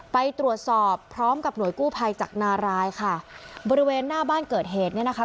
ไปตรวจสอบพร้อมกับหน่วยกู้ภัยจากนารายค่ะบริเวณหน้าบ้านเกิดเหตุเนี่ยนะคะ